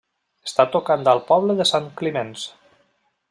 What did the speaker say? Està tocant al poble de Sant Climenç.